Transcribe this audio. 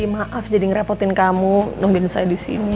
maaf jadi ngerepotin kamu nungguin saya di sini